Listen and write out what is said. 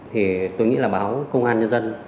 thì tôi nghĩ là báo công an nhân dân